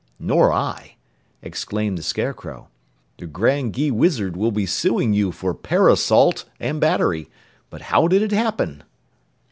"Nor I," exclaimed the Scarecrow. "The Grand Gheewizard will be suing you for parassault and battery. But how did it happen?"